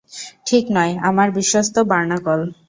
ঠিক নয়, আমার বিশ্বস্ত বার্নাকল।